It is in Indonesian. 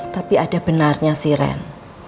tapi ada benarnya sih ren